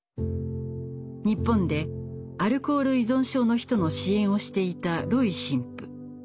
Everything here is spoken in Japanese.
日本でアルコール依存症の人の支援をしていたロイ神父。